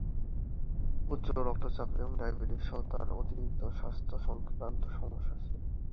উচ্চ রক্তচাপ এবং ডায়াবেটিস সহ তাঁর অতিরিক্ত স্বাস্থ্য সংক্রান্ত সমস্যা ছিল।